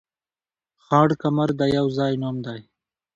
خړ کمر د يو ځاى نوم دى